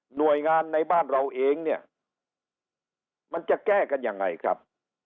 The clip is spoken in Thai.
หน่วยงานในบ้านเราเองเนี่ยมันจะแก้กันยังไงครับ